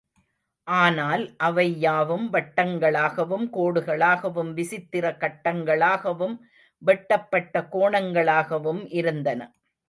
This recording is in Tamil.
ஆனால் அவை யாவும், வட்டங்களாகவும் கோடுகளாகவும் விசித்திர கட்டங்களாகவும் வெட்டுப்பட்ட கோணங்களாகவும் இருந்தன.